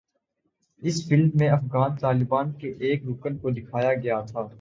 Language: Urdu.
اس فلم میں افغان طالبان کے ایک رکن کو دکھایا گیا تھا